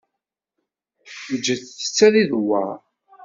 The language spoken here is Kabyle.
Ǧǧet-tt ad idewwer.